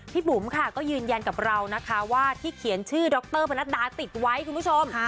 บุ๋มค่ะก็ยืนยันกับเรานะคะว่าที่เขียนชื่อดรพนัดดาติดไว้คุณผู้ชม